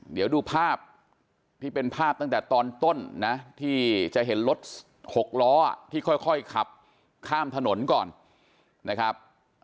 เดี๋ยวดูภาพที่เป็นภาพตั้งแต่ตอนต้นนะที่จะเห็นรถหกล้อที่ค่อยขับข้ามถนนก่อนนะครับ